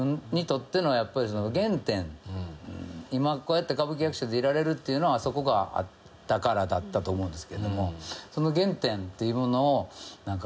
今こうやって歌舞伎役者でいられるっていうのはあそこがあったからだったと思うんですけれども。